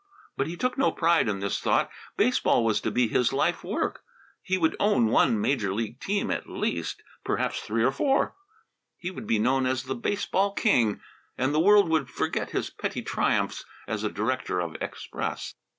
But he took no pride in this thought. Baseball was to be his life work. He would own one major league team, at least; perhaps three or four. He would be known as the baseball king, and the world would forget his petty triumphs as a director of express.